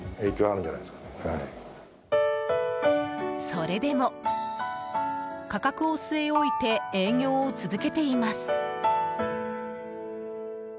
それでも、価格を据え置いて営業を続けています。